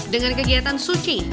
dengan kegiatan suci